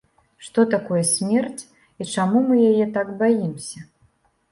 Што такое смерць і чаму мы яе так баімся?